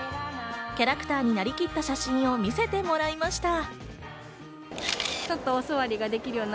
キャラクターになりきった写真を見せてもらいました。